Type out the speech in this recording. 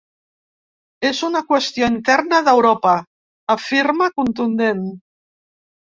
És una qüestió interna d’Europa, afirma, contundent.